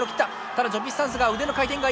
ただジョピスサンスが腕の回転がいい。